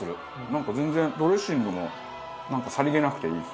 なんか全然ドレッシングもなんかさりげなくていいですね。